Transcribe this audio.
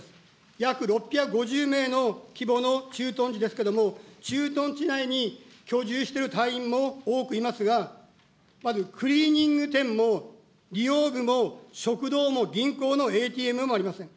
約６５０名の規模の駐屯地ですけども、駐屯地内に居住している隊員も多くいますが、まずクリーニング店も、理容ぶも食堂も銀行のＡＴＭもありません。